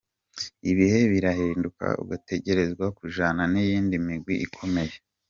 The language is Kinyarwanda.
"Ibihe birahinduka, ugategerezwa kujana n'iyindi migwi ikomeye.